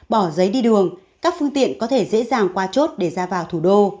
bỏ giấy đi đường các phương tiện có thể dễ dàng qua chốt để ra vào thủ đô